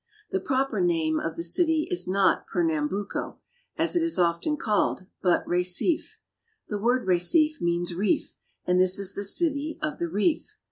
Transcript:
The proper name of the city is not Pernambuco, as it is often called, but Recife. The word " Recife " means reef, and this is the city of the reef.